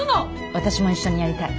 私も一緒にやりたい。